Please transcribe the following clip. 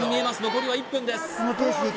残りは１分です